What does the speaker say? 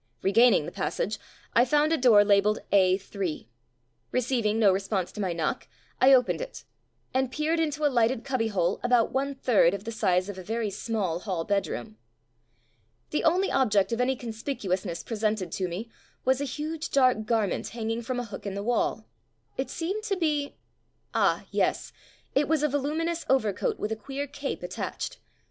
Regaining the passage, I found a door labeled A 8. Receiving no re sponse to my knock, I opened it; and peered into a lighted cubbyhole about one third the size of a veiy small hall bedroom. The only object of any con spicuousness presented to me was a huge, dark garment hanging from a hook in the wall. It seemed to be — ah! yes; it was a voluminuous over coat with a queer cape attached.